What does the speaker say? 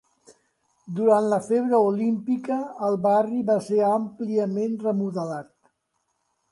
Durant la febre olímpica el barri va ser àmpliament remodelat.